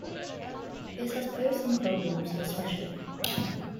This has posed some problems, esp.